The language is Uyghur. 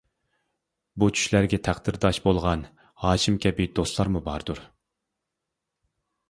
بۇ چۈشلەرگە تەقدىرداش بولغان، ھاشىم كەبى دوستلارمۇ باردۇر.